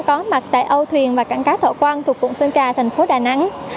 có mặt tại âu thuyền và cảng cá thọ quang thuộc quận sơn trà thành phố đà nẵng